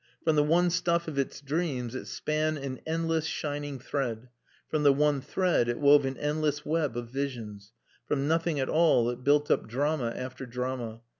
From the one stuff of its dreams it span an endless shining thread; from the one thread it wove an endless web of visions. From nothing at all it built up drama after drama.